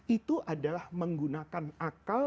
itu adalah menggunakan akal